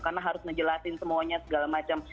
karena harus ngejelasin semuanya segala macam